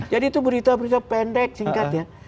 jadi itu berita berita pendek singkat ya